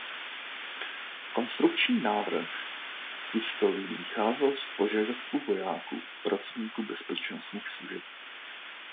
Konstrukční návrh pistolí vycházel z požadavků vojáků a pracovníků bezpečnostních služeb.